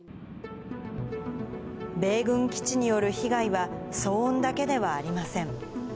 米軍基地による被害は、騒音だけではありません。